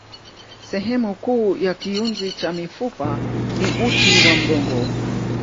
Sehemu kuu ya kiunzi cha mifupa ni uti wa mgongo.